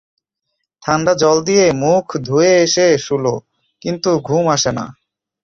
ঠাণ্ডা জল দিয়ে মুখ ধুয়ে এসে শুল, কিন্তু ঘুম আসে না।